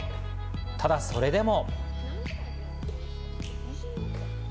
ただそれでも。